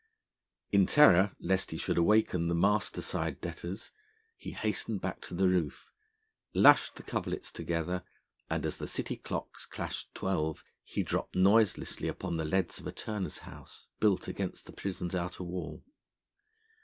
In terror lest he should awaken the Master Side Debtors, he hastened back to the roof, lashed the coverlets together, and, as the city clocks clashed twelve, he dropped noiselessly upon the leads of a turner's house, built against the prison's outer wall.